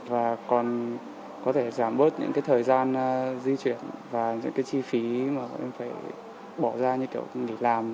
và còn có thể giảm bớt những thời gian di chuyển và những chi phí mà bọn em phải bỏ ra như kiểu để làm